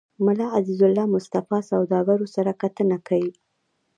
ملا عزيزالله مصطفى سوداګرو سره کتنه کې